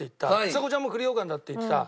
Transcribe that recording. ちさ子ちゃんも栗羊かんだって言ってた。